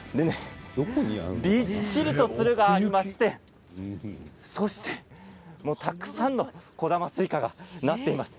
びっしりと、つるがありましてたくさんの小玉スイカがなっています。